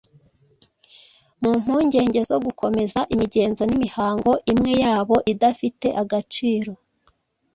Mu mpungenge zo gukomeza imigenzo n’imihango imwe yabo idafite agaciro,